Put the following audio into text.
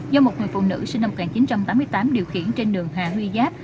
do một người phụ nữ sinh năm một nghìn chín trăm tám mươi tám điều khiển trên đường hà huy giáp